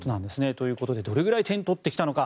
ということでどれぐらい点を取ってきたのか。